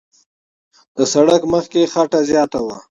د سړک مخ کې خټه زیاته وه.